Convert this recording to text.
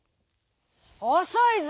「おそいぞ。